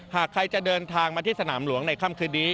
หากใครจะเดินทางมาที่สนามหลวงในค่ำคืนนี้